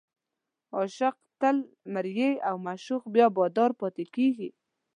عاشق تل مریی او معشوق بیا بادار پاتې کېږي.